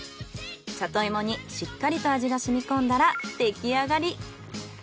里芋にしっかりと味が染み込んだらできあがり。